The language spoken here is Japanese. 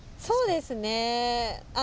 そうですね。